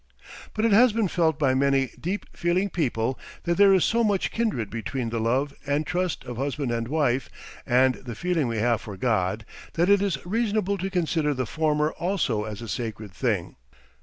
But it has been felt by many deep feeling people that there is so much kindred between the love and trust of husband and wife and the feeling we have for God, that it is reasonable to consider the former also as a sacred thing.